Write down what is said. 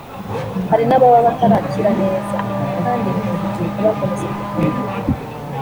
hari n’ababa batarakira neza kandi ngo ntibakomeze kuvurwa